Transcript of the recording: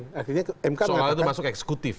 soalnya itu masuk eksekutif